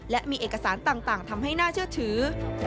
และมีเอกสารต่างทำให้น่าเชื่อถือ